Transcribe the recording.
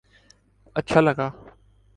اچھا لگا